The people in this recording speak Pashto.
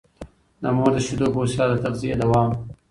د مور د شېدو په وسيله د تغذيې دوام